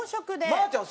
まーちゃん